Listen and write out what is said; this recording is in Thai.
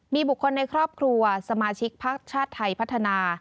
มีบุคคลในครอบครัวสมาชิกพักชาติไทยพัฒนา